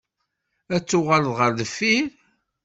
Ad tuɣaleḍ ɣer deffir?